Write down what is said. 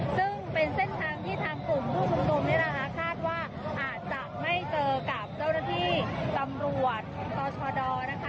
ซึ่งเป็นเส้นทางที่ทางกลุ่มผู้ชุมนุมเนี่ยนะคะคาดว่าอาจจะไม่เจอกับเจ้าหน้าที่ตำรวจต่อชดนะคะ